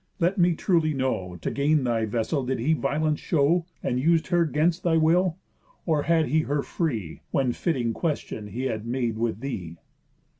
Let me truly know. To gain thy vessel did he violence show, And us'd her 'gainst thy will? or had her free, When fitting question he had made with thee?"